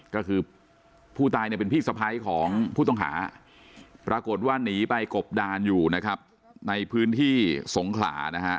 ก็คือผู้ตายเนี่ยเป็นพี่สะพ้ายของผู้ต้องหาปรากฏว่าหนีไปกบดานอยู่นะครับในพื้นที่สงขลานะฮะ